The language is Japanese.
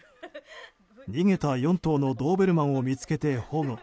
逃げた４頭のドーベルマンを見つけて保護。